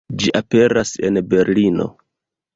Ĝi aperas en Berlino.